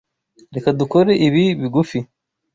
Reka dukore ibi bigufi.